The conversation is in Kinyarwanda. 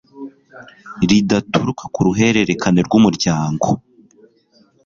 ridaturuka ku ruhererekane rw'umuryango